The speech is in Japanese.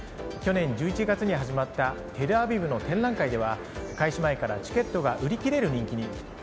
去年１１月に始まったテルアビブの展覧会では開始前からチケットが売り切れる人気に。